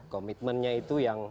komitmennya itu yang